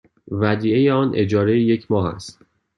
ودیعه آن اجاره یک ماه است.